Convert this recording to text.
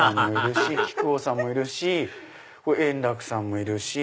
ハハハハ木久扇さんもいるし円楽さんもいるし。